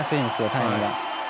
タイムが。